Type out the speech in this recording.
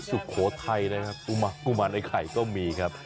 สุโขทัยนะครับกุมารไอ้ไข่ก็มีครับ